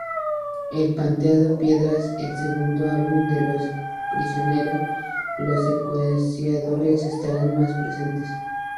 En "Pateando piedras" —el segundo álbum de Los Prisioneros— los secuenciadores estarían más presentes.